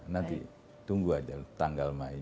nanti tunggu aja tanggal mei